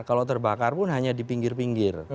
kalau terbakar pun hanya di pinggir pinggir